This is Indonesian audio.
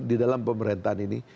di dalam pemerintahan ini